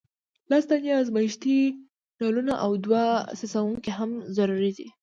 لس دانې ازمیښتي نلونه او دوه څڅونکي هم ضروري دي.